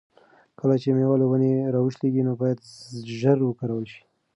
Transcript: کله چې مېوه له ونې را وشلیږي نو باید ژر وکارول شي.